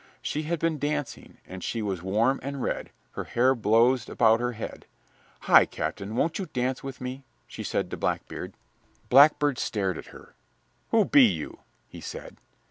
She had been dancing, and she was warm and red, her hair blowzed about her head. "Hi, Captain, won't you dance with me?" she said to Blackbeard. Blackbeard stared at her. "Who be you?" he said.